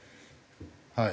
はい。